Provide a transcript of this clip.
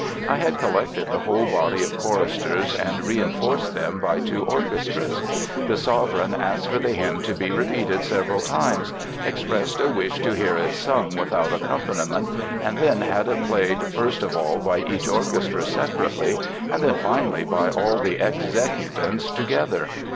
I had collected the whole body of choristers and re enforced them by two orchestras. The sovereign asked for the hymn to be repeated several times, expressed a wish to hear it sung without accompaniment, and then had it played first of all by each orchestra separately and then finally by all the executants together.